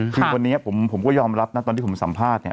คือวันนี้ผมก็ยอมรับนะตอนที่ผมสัมภาษณ์เนี่ย